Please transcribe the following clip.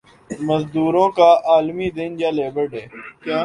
مزدور کا عالمی دن یا لیبر ڈے